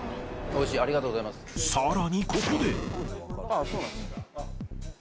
さらにここで